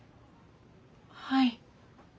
はい。